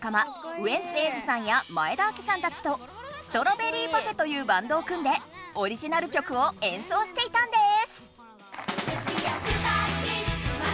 ウエンツ瑛士さんや前田亜季さんたちとストロベリーパフェというバンドを組んでオリジナル曲を演奏していたんです！